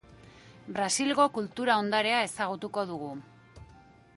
Brasilgo kultura ondarea ezagutuko dugu.